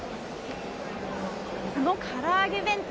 このから揚げ弁当